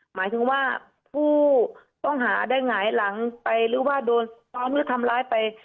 หมายถึงว่าผู้ต้องหาได้หงายหลังไปหรือว่าโดนซ้อมหรือทำร้ายไป